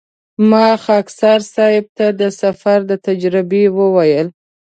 ما خاکسار صیب ته د سفر د تجربې وویل.